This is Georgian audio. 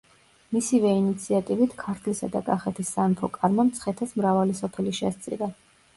მისივე ინიციატივით ქართლისა და კახეთის სამეფო კარმა მცხეთას მრავალი სოფელი შესწირა.